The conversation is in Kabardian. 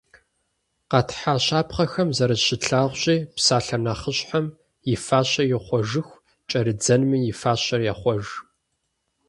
Къэтхьа щапхъэхэм зэрыщытлъагъущи, псалъэ нэхъыщхьэм и фащэр ихъуэжыху кӏэрыдзэнми и фащэр ехъуэж.